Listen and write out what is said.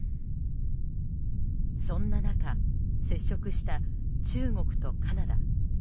そんな中接触した中国とカナダ。